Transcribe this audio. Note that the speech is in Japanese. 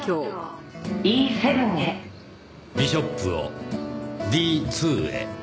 ビショップをｄ２へ。